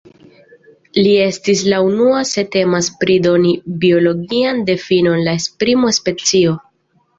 Li estis la unua se temas pri doni biologian difinon de la esprimo "specio".